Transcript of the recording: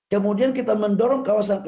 kemudian kita mendorong kawasan